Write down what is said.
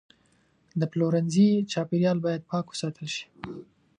د پلورنځي چاپیریال باید پاک وساتل شي.